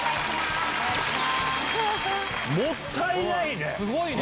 もったいないね！